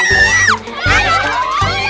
taruh lagi taruh lagi